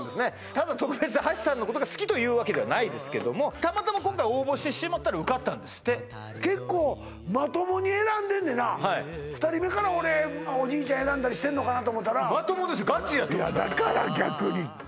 ただ特別橋さんのことが好きというわけではないですけどもたまたま今回応募してしまったら受かったんですって結構２人目から俺おじいちゃん選んだりしてんのかなと思たらまともですよガチでやってますよなあ